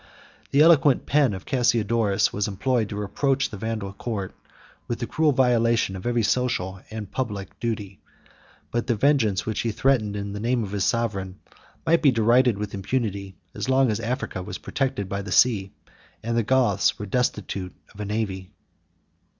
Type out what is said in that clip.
The eloquent pen of Cassiodorus was employed to reproach the Vandal court with the cruel violation of every social and public duty; but the vengeance which he threatened in the name of his sovereign might be derided with impunity, as long as Africa was protected by the sea, and the Goths were destitute of a navy.